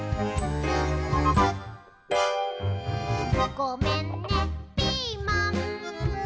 「ごめんねピーマン」